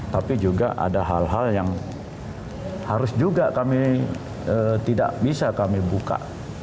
tapi juga ada hal hal yang harus juga kami tidak bisa kami buka